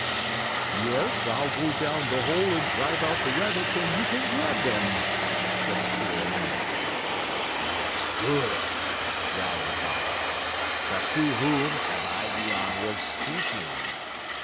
"Yes, I'll go down the hole and drive out the rabbits and you can grab them," said the queer animal. "That's good," growled the fox, "but to whom have I the honor of speaking?"